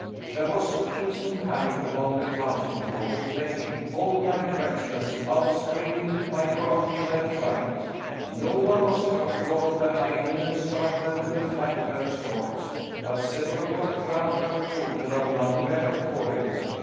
There was instant panic among the townspeople, who fled in all directions out screaming the pibroch in their fright. No one was hurt, for the Highlandmen struck them with the flat of their swords, but several were trampled under foot and are none the better for it."